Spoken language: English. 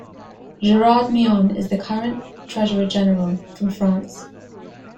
Gerard Myon is the current Treasurer General, from France.